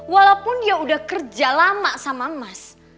walaupun dia udah kerja lama sama mas